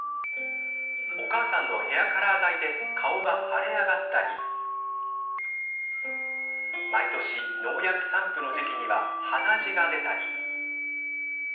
お母さんのヘアカラー剤で顔が腫れ上がったり毎年、農薬散布の時期には鼻血が出たり。